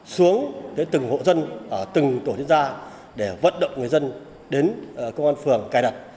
xuống tới từng hộ dân ở từng tổ liên gia để vận động người dân đến công an phường cài đặt